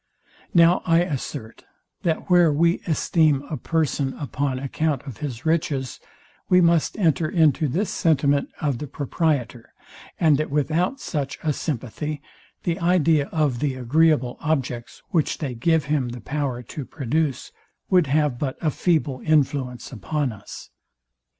Now I assert, that where we esteem a person upon account of his riches, we must enter into this sentiment of the proprietor, and that without such a sympathy the idea of the agreeable objects, which they give him the power to produce, would have but a feeble influence upon us.